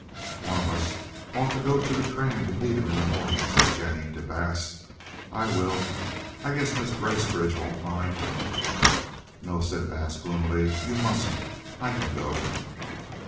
"One of us ought to go to the train to meet him in the morning," said Jennie to Bass. "I will. I guess Mrs. Bracebridge won't mind." "No," said Bass gloomily, "you mustn't. I can go."